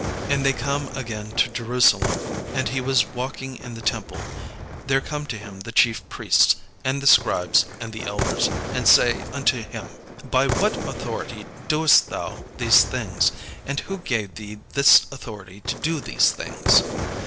And they come again to Jerusalem: and as he was walking in the temple, there come to him the chief priests, and the scribes, and the elders, and say unto him: "By what authority doest thou these things and who gave thee this authority to do these things?"